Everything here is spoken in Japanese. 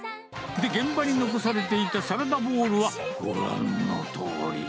で、現場に残されていたサラダボウルは、ご覧のとおり。